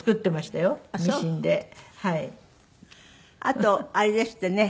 あとあれですってね。